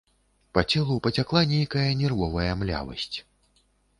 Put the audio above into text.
Па целу пацякла нейкая нервовая млявасць.